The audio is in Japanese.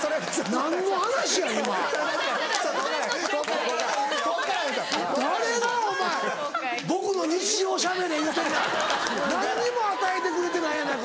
何にも与えてくれてないやないか與。